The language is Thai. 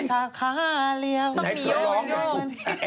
ต้องที่นายไปร้องทำง่าย